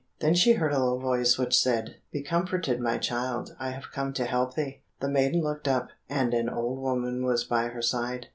Then she heard a low voice which said, "Be comforted, my child, I have come to help thee." The maiden looked up, and an old woman was by her side.